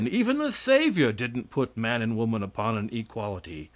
Even the savior didn't put man and woman upon an equality.